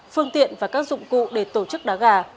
phương tiện và các dụng cụ để tổ chức đá gà